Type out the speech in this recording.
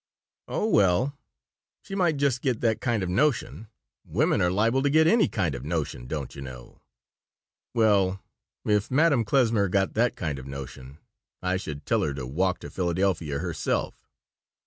"Oh, well, she might just get that kind of notion. Women are liable to get any kind of notion, don't you know." "Well, if Madame Klesmer got that kind of notion I should tell her to walk to Philadelphia herself."